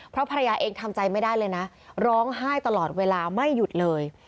เพราะภรรยาเองทำใจไม่ได้เลยนะร้องไห้ตลอดเวลาไม่หยุดเลย